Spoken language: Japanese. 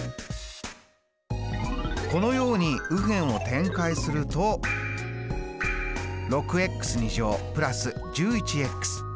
このように右辺を展開すると６＋１１＋４。